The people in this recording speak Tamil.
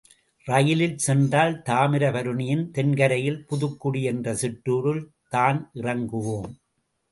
ரயிலில் சென்றால் தாமிர பருணியின் தென்கரையில் புதுக்குடி என்ற சிற்றூரில் தான் இறங்குவோம்.